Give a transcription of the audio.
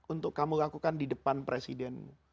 untuk kamu lakukan di depan presidenmu